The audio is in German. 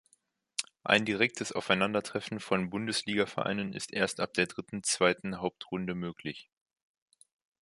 Ein direktes Aufeinandertreffen von Bundesligavereinen ist erst ab der dritten Zweiten Hauptrunde möglich.